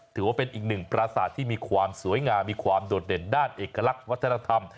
ถือว่าเป็นอีกหนึ่งปราศาสตร์ที่มีความสวยงามมีความโดดเด่นด้านเอกลักษณ์วัฒนธรรม